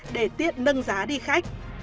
để tiện nâng giá đi khách